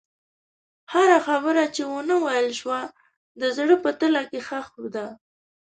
هره خبره چې ونه ویل شوه، د زړه په تله کې ښخ ده.